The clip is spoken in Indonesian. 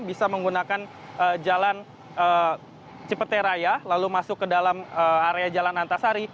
bisa menggunakan jalan cipeteraya lalu masuk ke dalam area jalan antasari